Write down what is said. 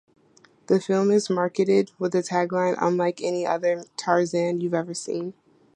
The film is marketed with the tagline "Unlike any other "Tarzan" you've ever seen!